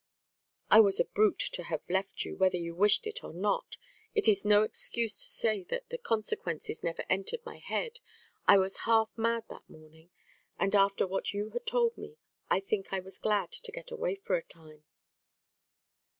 "I was a brute to have left you, whether you wished it or not. It is no excuse to say that the consequences never entered my head, I was half mad that morning; and after what you had told me, I think I was glad to get away for a time."